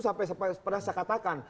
sampai pernah saya katakan